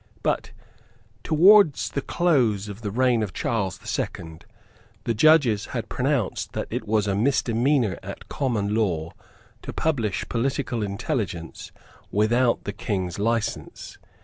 But, towards the close of the reign of Charles the Second, the judges had pronounced that it was a misdemeanour at common law to publish political intelligence without the King's license.